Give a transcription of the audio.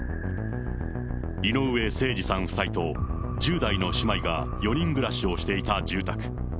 井上盛司さん夫妻と１０代の姉妹が４人暮らしをしていた住宅。